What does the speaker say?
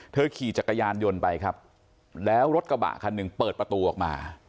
ขี่จักรยานยนต์ไปครับแล้วรถกระบะคันหนึ่งเปิดประตูออกมา